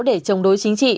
để chống đối chính trị